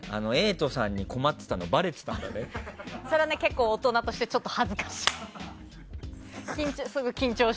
瑛人さんに困ってたのそれは結構大人としてちょっと恥ずかしい。